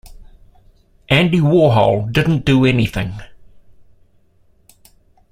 Andy Warhol didn't do anything.